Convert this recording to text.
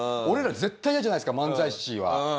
俺ら絶対イヤじゃないですか漫才師は。